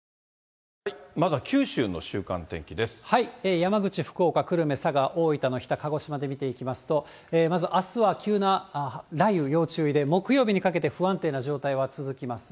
山口、福岡、久留米、佐賀、大分の日田、鹿児島で見ていきますと、まずあすは急な雷雨要注意で、木曜日にかけて不安定な状態は続きます。